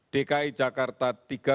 dki jakarta tiga ratus dua puluh tujuh